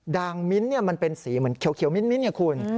ดางมิ้นมันเป็นสีเหมือนเขียวมิ้นไงคุณ